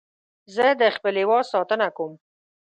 زه د خپل هېواد ساتنه کوم